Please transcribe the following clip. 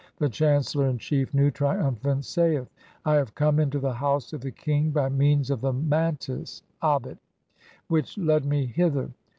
(2) The chancellor in chief, Nu, triumphant, saith :— "I have come into the House of the King by means of the "mantis (a bit) which led me hither.